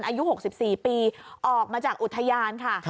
อายุ๖๔ปีออกมาจากอุทยานค่ะ